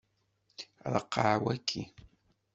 Ṛeqqeɛ waki.